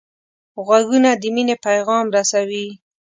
غوږونه د مینې پیغام رسوي